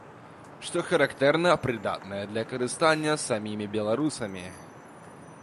Што характэрна, прыдатная для карыстання самімі беларусамі.